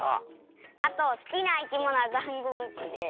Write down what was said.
あとすきないきものはダンゴムシです。